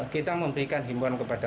kita memberikan himpuan kepada